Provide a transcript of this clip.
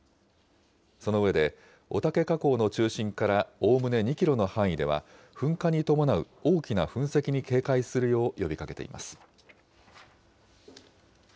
その上で、おたけ火口の中心からおおむね２キロの範囲では、噴火に伴う大きな噴石に警戒するよう呼びかけています。